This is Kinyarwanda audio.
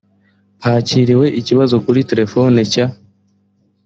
hakiriwe ikibazo kuri telephone cya